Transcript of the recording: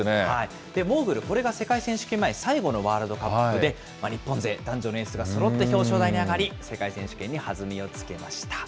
モーグル、これが世界選手権前最後のワールドカップで、日本勢、男女のエースがそろって表彰台に上がり、世界選手権に弾みをつけました。